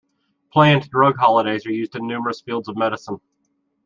Planned drug holidays are used in numerous fields of medicine.